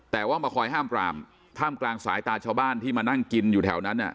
แต่ว่ามาคอยห้ามปรามท่ามกลางสายตาชาวบ้านที่มานั่งกินอยู่แถวนั้น